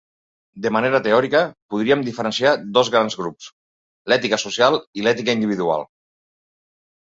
De manera teòrica, podríem diferenciar dos grans grups: l'ètica social i l'ètica individual.